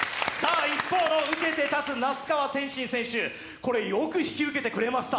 一方の、受けて立つ那須川天心選手、これよく引き受けてくれました。